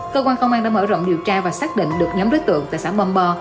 cơ quan công an đã mở rộng điều tra và xác định được nhóm đối tượng tại xã bâm bò